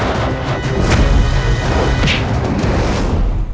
kandai prabu pasti menemuiniku